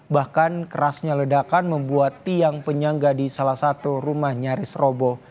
bahkan kerasnya ledakan membuat tiang penyangga di salah satu rumah nyaris robo